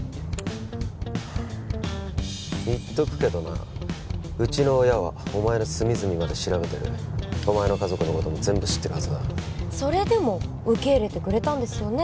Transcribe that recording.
言っとくけどなうちの親はお前の隅々まで調べてるお前の家族のことも全部知ってるはずだそれでも受け入れてくれたんですよね